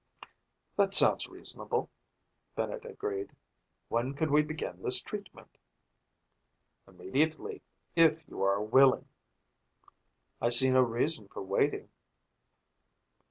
"That sounds reasonable," Bennett agreed. "When could we begin this treatment?" "Immediately, if you are willing." "I see no reason for waiting."